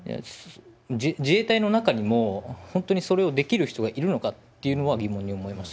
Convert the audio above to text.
自衛隊の中にも本当にそれをできる人がいるのかっていうのは疑問に思います